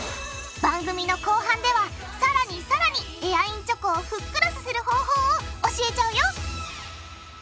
番組の後半ではさらにさらにエアインチョコをふっくらさせる方法を教えちゃうよ！